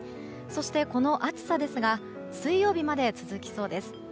そして、この暑さですが水曜日まで続きそうです。